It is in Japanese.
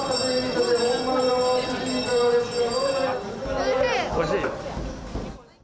おいしい。